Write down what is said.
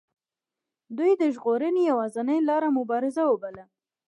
دوی د ژغورنې یوازینۍ لار مبارزه بلله.